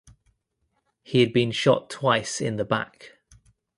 He had been shot twice in the back.